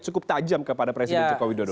cukup tajam kepada presiden jokowi dodo